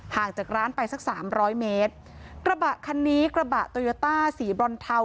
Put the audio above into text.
จากร้านไปสักสามร้อยเมตรกระบะคันนี้กระบะโตโยต้าสีบรอนเทา